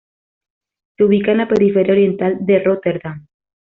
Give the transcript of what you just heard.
Se ubica en la periferia oriental de Róterdam.